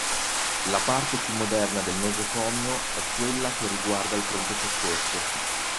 La parte più moderna del nosocomio è quella che riguarda il Pronto Soccorso.